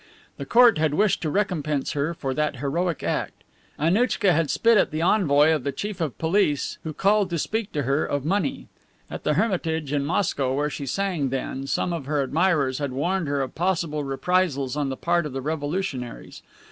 The Court had wished to recompense her for that heroic act. Annouchka had spit at the envoy of the Chief of Police who called to speak to her of money. At the Hermitage in Moscow, where she sang then, some of her admirers had warned her of possible reprisals on the part of the revolutionaries.